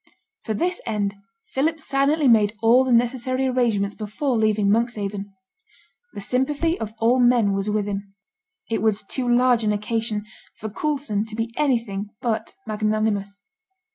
For this end Philip silently made all the necessary arrangements before leaving Monkshaven. The sympathy of all men was with him; it was too large an occasion for Coulson to be anything but magnanimous.